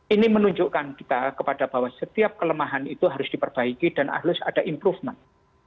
ini menunjukkan kita kepada bahwa setiap kelemahan itu harus diperbaiki dan harus ada improvement